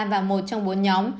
vào một trong bốn nhóm